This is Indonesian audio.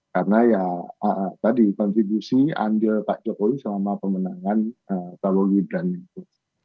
karena ya tadi kontribusi andil pak jokowi selama pemenangan kalau liburan itu